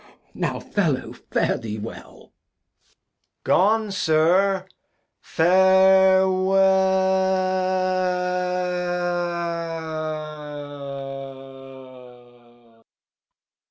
Now, Fellow, fare thee well. Edg. Gone, Sir, Farewell.